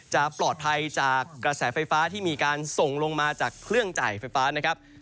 จะปลอดภัยจากกระแสไฟฟ้าที่มีการส่งลงมาจากเครื่องจ่ายไฟฟ้านะครับ